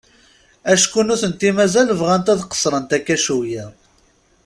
Acku nutenti mazal bɣant ad qesrent akka cwiay.